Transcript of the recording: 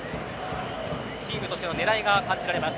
チームとしての狙いが感じられます。